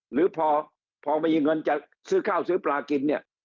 หรือพอไม่มีเงินจะซื้อข้าวซื้อปลากินเนี่ย